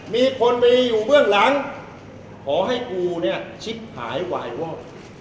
มีคนมีอยู่เบื้องหลังขอให้กูเนี้ยชิบหายไหวว่า